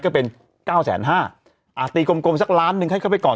ก็เป็นเก้าแสนห้าตีกลมสักล้านหนึ่งให้เข้าไปก่อน